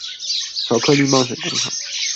巧克力冒險工廠